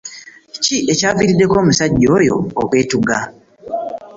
Kiki ekyaviiriddeko omusajja oyo kwetuga?